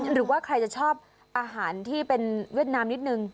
หรือว่าใครจะชอบอาหารที่เป็นเวียดนามนิดนึง